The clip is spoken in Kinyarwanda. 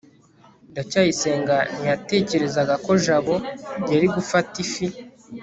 ndacyayisenga ntiyatekerezaga ko jabo yari gufata ifi